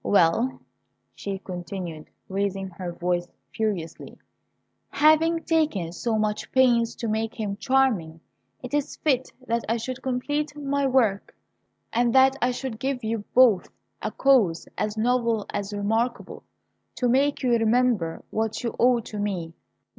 Well," she continued, raising her voice furiously, "having taken so much pains to make him charming, it is fit that I should complete my work, and that I should give you both a cause, as novel as remarkable, to make you remember what you owe to me.